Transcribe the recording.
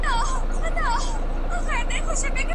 نرسان په جدي څانګه کي څنګه کار کوي؟